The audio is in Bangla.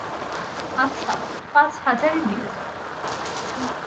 আচ্ছা, পাঁচ হাজারই নিয়ে যাব।